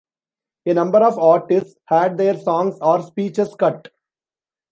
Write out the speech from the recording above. A number of artists had their songs or speeches cut.